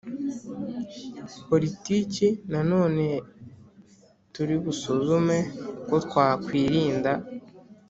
poritiki Nanone turi busuzume uko twakwirinda